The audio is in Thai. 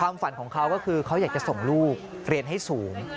ฝันของเขาก็คือเขาอยากจะส่งลูกเรียนให้สูง